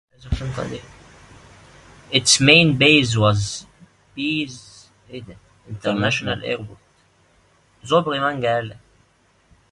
Its main base was Pease International Airport.